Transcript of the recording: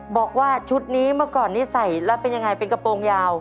บอกว่าชุดนี้เมื่อก่อนนี้ใส่แล้วเป็นยังไงเป็นกระโปรงยาว